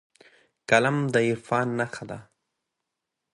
قلم د عرفان نښه ده